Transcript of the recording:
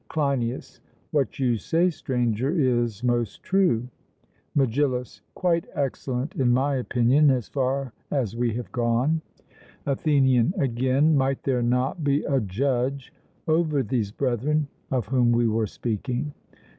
CLEINIAS: What you say, Stranger, is most true. MEGILLUS: Quite excellent, in my opinion, as far as we have gone. ATHENIAN: Again; might there not be a judge over these brethren, of whom we were speaking?